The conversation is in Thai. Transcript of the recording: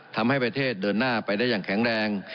ทำให้ประเทศเดินหน้าไปได้อย่างแข็งแรง